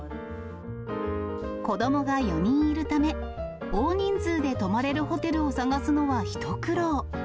子どもが４人いるため、大人数で泊まれるホテルを探すのは、一苦労。